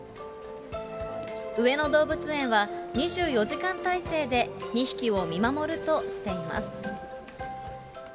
上野動物園は２４時間態勢で２匹を見守るとしています。